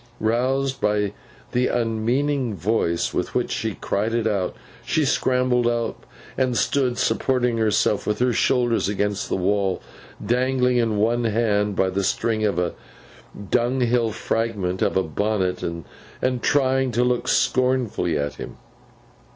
Roused by the unmeaning violence with which she cried it out, she scrambled up, and stood supporting herself with her shoulders against the wall; dangling in one hand by the string, a dunghill fragment of a bonnet, and trying to look scornfully at him.